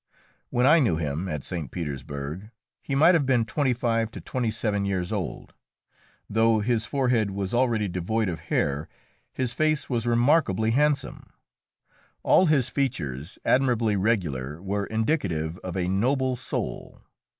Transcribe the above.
When I knew him at St. Petersburg he might have been twenty five to twenty seven years old. Though his forehead was already devoid of hair, his face was remarkably handsome. All his features, admirably regular, were indicative of a noble soul.